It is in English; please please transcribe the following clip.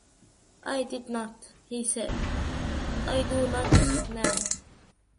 "I did not," he said, "I do not now".